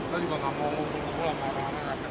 kita juga nggak mau hubung hubung lah sama orang orang yang